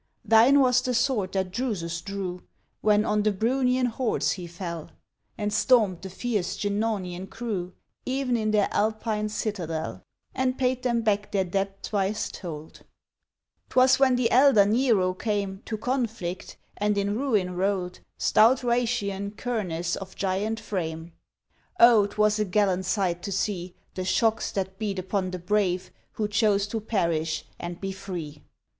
Thine was the sword that Drusus drew, When on the Breunian hordes he fell, And storm'd the fierce Genaunian crew E'en in their Alpine citadel, And paid them back their debt twice told; 'Twas then the elder Nero came To conflict, and in ruin roll'd Stout Raetian kernes of giant frame. O, 'twas a gallant sight to see The shocks that beat upon the brave Who chose to perish and be free!